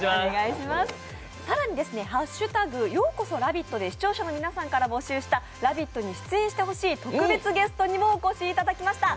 更に「＃ようこそラヴィット」で視聴者の皆さんから募集した「ラヴィット！」に出演してほしい特別ゲストにもお越しいただきました。